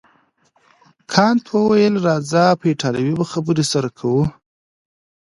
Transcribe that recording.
کانت وویل راځه په ایټالوي به خبرې سره کوو.